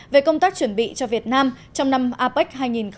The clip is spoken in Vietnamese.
về công tác chuẩn bị cho việt nam trong năm apec hai nghìn một mươi bảy